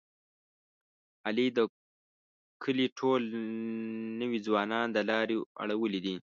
علي د کلي ټول نوی ځوانان د لارې اړولي دي.